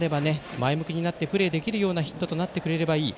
前向きになってプレーできるようなヒットとなってくれればいい。